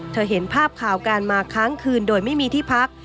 เห็นภาพข่าวการมาค้างคืนโดยไม่มีที่พัก